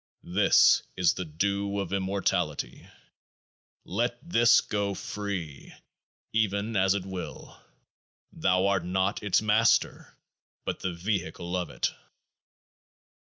This is the Dew of Immortality. Let this go free, even as It will ; thou art not its master, but the vehicle of It.